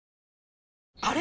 あれ？